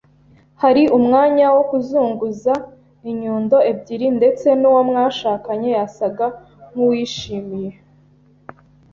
hari umwanya wo kuzunguza inyundo ebyiri, ndetse nuwo mwashakanye yasaga nkuwishimiye